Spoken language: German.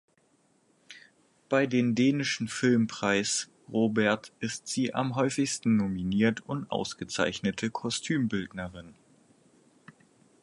Bei den dänischen Filmpreis Robert ist sie die am häufigsten nominiert und ausgezeichnete Kostümbildnerin.